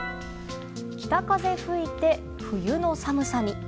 北風吹いて冬の寒さに。